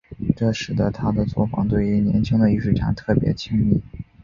这使得他的作坊对于年轻的艺术家特别亲密。